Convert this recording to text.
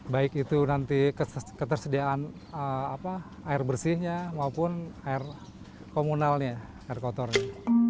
baik itu nanti ketersediaan air bersihnya maupun air komunalnya air kotornya